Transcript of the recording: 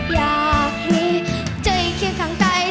อยากมีเจ้าให้คิดข้างใกล้